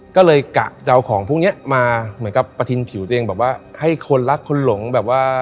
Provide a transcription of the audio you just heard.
ก็เลยกะจะเอาของพวกนี้มาเหมือนกับประทินผิวตัวเองแบบว่าให้คนรักคนหลงแบบว่า